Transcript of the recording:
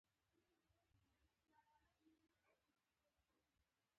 مجاهد د زړونو قوت وي.